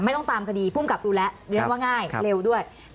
ต้องตามคดีภูมิกับดูแล้วเรียนว่าง่ายเร็วด้วย